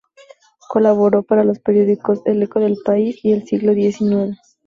Colaboró para los periódicos "El Eco del País" y "El Siglo Diez y Nueve".